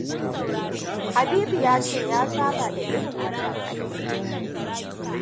Habibu yace ya saba da irin wannan aikin.